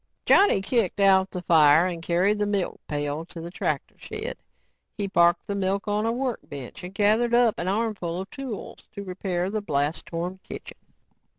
Johnny kicked out the fire and carried the milk pail to the tractor shed. He parked the milk on a workbench and gathered up an armful of tools to repair the blast torn kitchen.